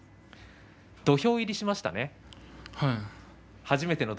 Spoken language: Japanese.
土俵入りしましたね。